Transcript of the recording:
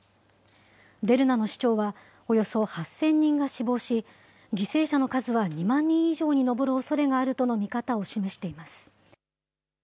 デルナの市長は、およそ８０００人が死亡し、犠牲者の数は２万人以上に上るおそれがあるとの見方を示しています。